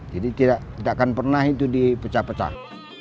jadi tidak akan pernah itu dipecah pecah